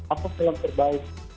atau seorang terbaik